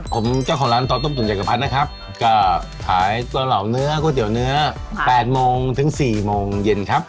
ผมเจ้าของร้านต่อต้มตุ๋นจักรพรรดินะครับก็ขายตัวเหล่าเนื้อก๋วยเตี๋ยวเนื้อ๘โมงถึง๔โมงเย็นครับ